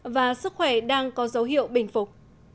và sức khỏe đang có dấu hiệu bình phục